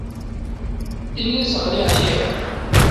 Ini-as aql-i ɛyiɣ.